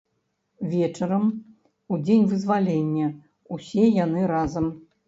Вечарам, у дзень вызвалення, усе яны разам.